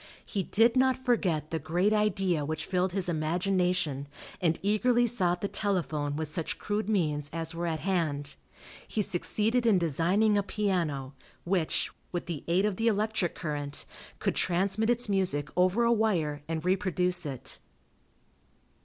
He did not forget the great idea which filled his imagination and eagerly sought the telephone with such crude means as were at hand. He succeeded in designing a piano which, with the aid of the electric current, could transmit its music over a wire and reproduce it.